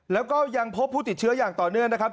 แล้วก็ยังพบผู้ติดเชื้ออย่างต่อเนื่องนะครับ